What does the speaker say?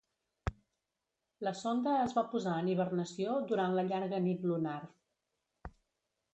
La sonda es va posar en hibernació durant la llarga nit lunar.